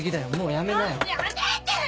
やめてよ！